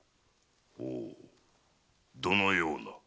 ほうどのような？